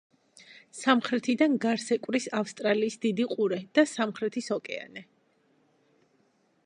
სამხრეთიდან გარს ეკვრის ავსტრალიის დიდი ყურე და სამხრეთის ოკეანე.